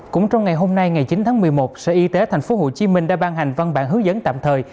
cũng trong ngày hôm nay ngày chín tháng một mươi một sở y tế tp hcm đã ban hành văn bản hướng dẫn tạm thời